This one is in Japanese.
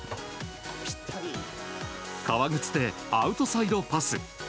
革靴でアウトサイドパス。